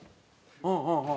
うんうんうん。